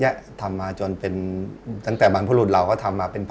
ว่าการไปทำอะไรเนี่ยแรงคือที่สุดอย่างก็ไม่โรค